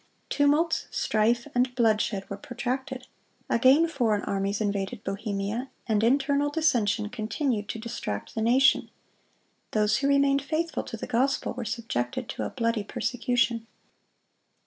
Tumults, strife, and bloodshed were protracted. Again foreign armies invaded Bohemia, and internal dissension continued to distract the nation. Those who remained faithful to the gospel were subjected to a bloody persecution.